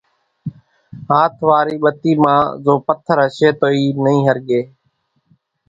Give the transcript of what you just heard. ھاٿ واري ٻتي مان زو پٿر ھشي تو اِي نئي ۿرڳي